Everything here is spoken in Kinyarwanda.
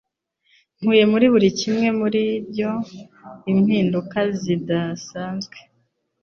Ntuye muri buri kimwe muri byo impinduka zidasanzwe